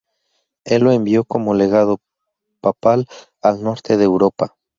Él lo envió como legado papal al norte de Europa.